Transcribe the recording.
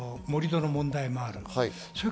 盛り土の問題もある。